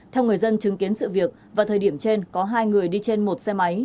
theo người dân chứng kiến sự việc vào thời điểm trên có hai người đi trên một xe máy